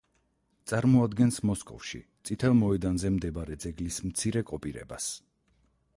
წარმოადგენს მოსკოვში, წითელ მოედანზე მდებარე ძეგლის მცირე კოპირებას.